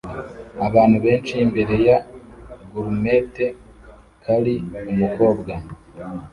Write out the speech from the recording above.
abantu benshi imbere ya gourmet curry umukobwa